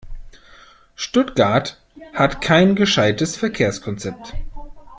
Stuttgart hat kein gescheites Verkehrskonzept.